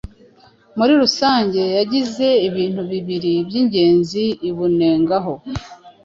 muri rusange yagize ibintu bibili by'ingenzi ibunengaho: